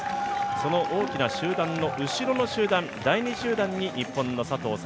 その大きな集団の後ろの集団、第２集団に日本の佐藤早